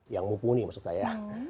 yang mumpuni maksud saya